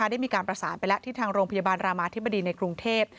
ได้มีการประสานไปแล้วที่ทางโรงพยาบาลรามาธิบดีในกรุงเทพ